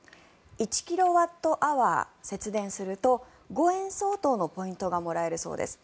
１キロワットアワー節電すると５円相当のポイントがもらえるそうです。